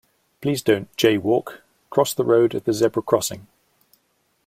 Please don't jay-walk: cross the road at the zebra crossing